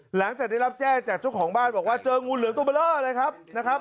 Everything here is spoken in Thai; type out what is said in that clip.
หลังจากได้รับแจ้งจากเจ้าของบ้านบอกว่าเจองูเหลือมตัวเบลอเลยครับนะครับ